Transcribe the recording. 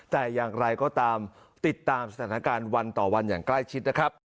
แต่อย่างไรก็ตามติดตามสถานการณ์วันต่อวันอย่างใกล้ชิดนะครับ